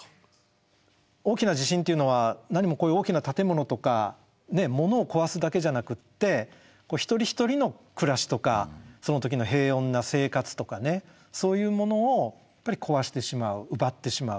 大きな地震っていうのは何もこういう大きな建物とかモノを壊すだけじゃなくって一人ひとりの暮らしとかその時の平穏な生活とかねそういうものを壊してしまう奪ってしまう。